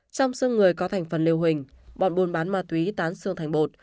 trong xương người có thành phần liều hình bọn buôn bán ma túy tán xương thành bột